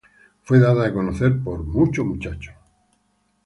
Fue dada a conocer por Mucho Muchacho.